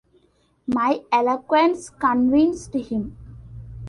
My eloquence convinced him.